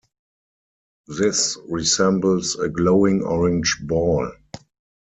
This resembles a glowing orange ball.